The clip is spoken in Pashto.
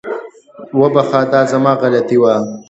وبخښه، دا زما غلطي وه